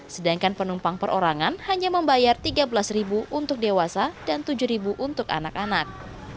sedangkan penumpang perorangan hanya membayar rp tiga belas untuk dewasa dan rp tujuh untuk anak anak